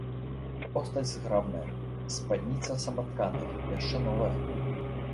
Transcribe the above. Постаць зграбная, спадніца саматканая, яшчэ новая.